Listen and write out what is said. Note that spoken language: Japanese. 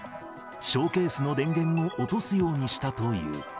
ショーケースの電源を落とすようにしたという。